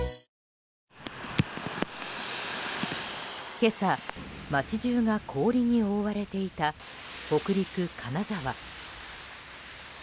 今朝、街中が氷に覆われていた北陸・金沢。